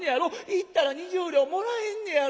行ったら２０両もらえんねやろ。